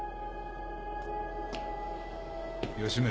吉村。